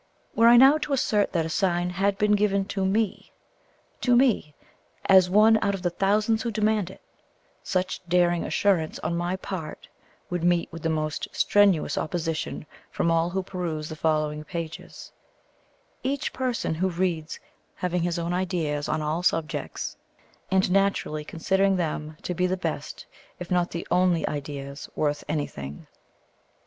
Were I now to assert that a sign had been given to ME to me, as one out of the thousands who demand it such daring assurance on my part would meet with the most strenuous opposition from all who peruse the following pages; each person who reads having his own ideas on all subjects, and naturally considering them to be the best if not the only ideas worth anything.